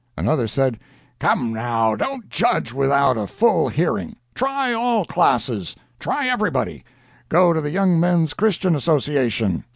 Another said: "Come, now, don't judge without a full hearing—try all classes; try everybody; go to the Young Men's Christian Association."